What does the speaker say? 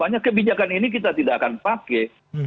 banyak kebijakan ini kita tidak akan pakai